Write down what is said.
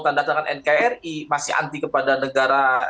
tandatangan nkri masih anti kepada negara